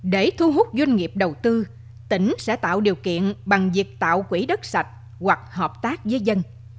để thu hút doanh nghiệp đầu tư tỉnh sẽ tạo điều kiện bằng việc tạo quỹ đất sạch hoặc hợp tác với dân